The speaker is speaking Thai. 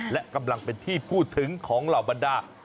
และกำลังเป็นที่พูดถึงของเหล่าบรรดา